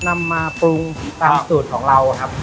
นำมาปรุงตามสูตรของเราครับ